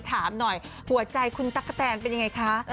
ถามหน่อยหัวใจคุณตั๊กกะแตนเป็นยังไงคะ